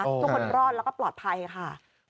ทุกคนรอดแล้วก็ปลอดภัยค่ะ